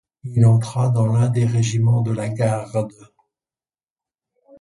Il entra dans l'un des régiments de la Garde.